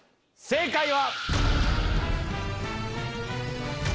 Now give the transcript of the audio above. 正解は。